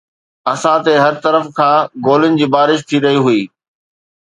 اسان تي هر طرف کان گولين جي بارش ٿي رهي هئي